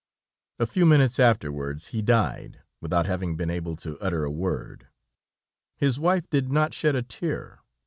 A few minutes afterwards he died, without having been able to utter a word. His wife did not shed a tear.